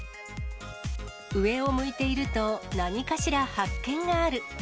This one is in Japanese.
上を向いていると、何かしら発見がある。